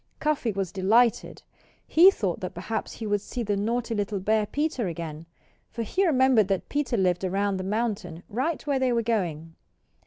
Cuffy was delighted. He thought that perhaps he would see the naughty little bear Peter again; for he remembered that Peter lived around the mountain, right where they were going.